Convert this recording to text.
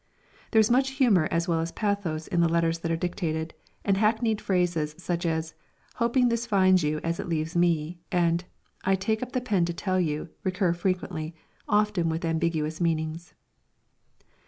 There is much humour as well as pathos in the letters that are dictated, and hackneyed phrases, such as "Hoping this finds you as it leaves me" and "I take up the pen to tell you," recur frequently, often with ambiguous meanings.